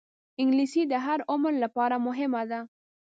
انګلیسي د هر عمر لپاره مهمه ده